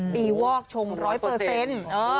วอกชงร้อยเปอร์เซ็นต์